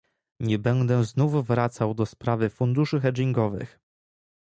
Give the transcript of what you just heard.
Nie będę znów wracał do sprawy funduszy hedgingowych